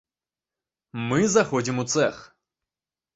Мы заходзім у цэх.